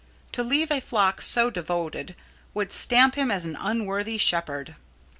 To leave a flock so devoted would stamp him as an unworthy shepherd.